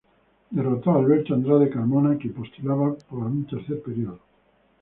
Derrotó a Alberto Andrade Carmona, quien postulaba para un tercer período.